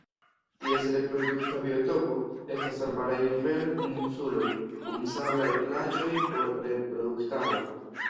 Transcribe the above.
Ties reprodukta biotopo estas arbaraj riveroj kun insuloj kun sablaj plaĝoj por reproduktado.